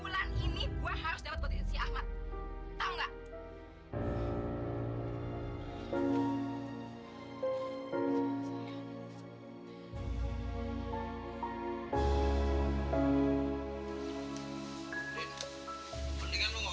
sampai jumpa di video selanjutnya